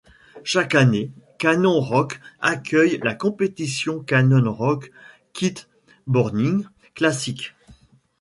Chaque année, Cannon Rocks accueille la compétition Cannon Rocks Kiteboarding Classic.